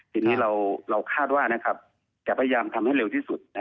ทีนี้เราคาดว่าจะพยายามทำให้เร็วที่สุด